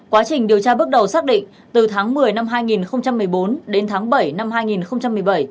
quá trình điều tra bước đầu xác định từ tháng một mươi năm hai nghìn một mươi bốn đến tháng bảy năm hai nghìn một mươi bảy